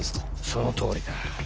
そのとおりだ。